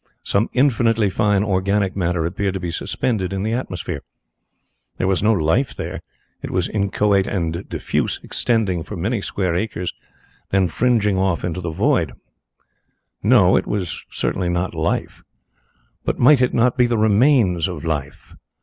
Some infinitely fine organic matter appeared to be suspended in the atmosphere. There was no life there. It was inchoate and diffuse, extending for many square acres and then fringing off into the void. No, it was not life. But might it not be the remains of life?